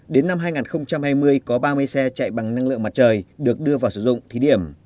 đến năm hai nghìn hai mươi có ba mươi xe chạy bằng năng lượng mặt trời được đưa vào sử dụng thí điểm